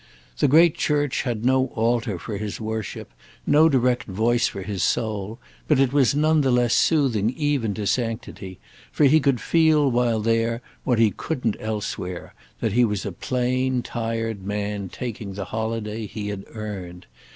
The great church had no altar for his worship, no direct voice for his soul; but it was none the less soothing even to sanctity; for he could feel while there what he couldn't elsewhere, that he was a plain tired man taking the holiday he had earned.